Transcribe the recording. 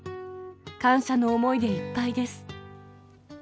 感謝の思いでいっぱいです。